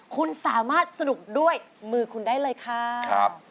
คุณสามารถสนุกด้วยมือคุณได้เลยค่ะ